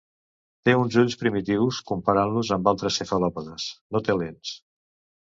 Té uns ulls primitius comparant-los amb altres cefalòpodes, no té lents.